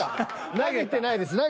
投げてないです。